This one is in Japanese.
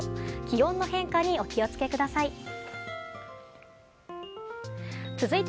気温の変化にお気を付けください。